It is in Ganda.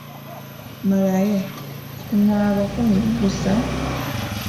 Malayo: Kunaaba kumiringusa, ….